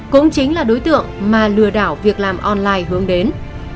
cũng chính là đối tượng mà lừa đảo việc làm online hướng đến